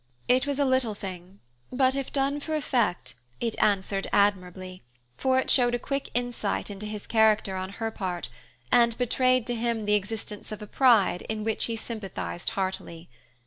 It was a little thing, but if done for effect, it answered admirably, for it showed a quick insight into his character on her part, and betrayed to him the existence of a pride in which he sympathized heartily.